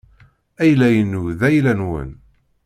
Ayla-inu d ayla-nwen.